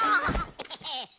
ヘヘヘ。